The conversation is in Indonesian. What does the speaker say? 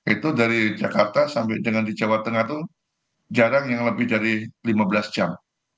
itu dari jakarta sampai dengan di jawa tengah itu jarang yang lebih dari lima belas jam